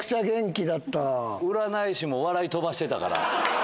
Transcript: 占い師も笑い飛ばしてたから。